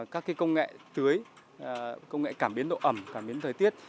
các công nghệ tưới công nghệ cảm biến độ ẩm cảm biến thời tiết